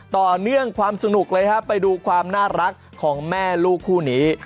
ต่อเนื่องความสนุกเลยครับไปดูความน่ารักของแม่ลูกคู่นี้